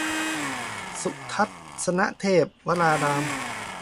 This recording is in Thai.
สุทัศนเทพวราราม